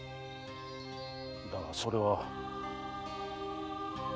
だがそれは。